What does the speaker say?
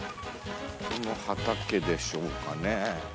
この畑でしょうかね。